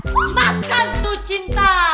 makan tuh cinta